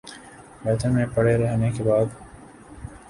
برتن میں پڑے رہنے کے بعد